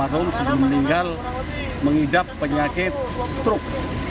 rumah rumah tinggal mengidap penyakit struk